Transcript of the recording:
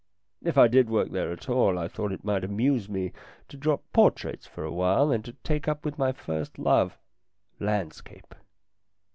If I did work there at all, I thought it might amuse me to drop portraits for a while and to take up with my first love landscape.